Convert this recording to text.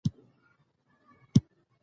په افغانستان کې ځمکنی شکل شتون لري.